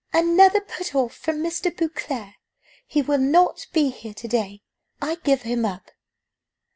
"Another put off from Mr. Beauclerc! He will not be here to day. I give him up."